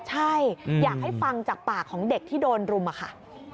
ใช่อยากให้ฟังจากปากของเด็กที่โดนรุมค่ะ